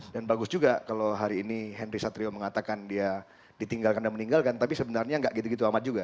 dan bagus juga kalo hari ini hendry satrio mengatakan dia ditinggalkan dan meninggalkan tapi sebenarnya gak gitu gitu amat juga